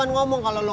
nah itu ngapain